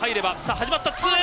始まった。